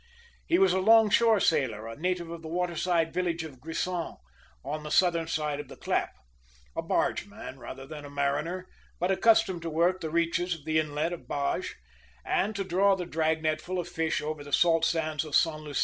He was a longshore sailor, a native of the waterside village of Gruissan, on the southern side of the Clappe, a bargeman rather than a mariner, but accustomed to work the reaches of the inlet of Bages, and to draw the drag net full of fish over the salt sands of St. Lucie.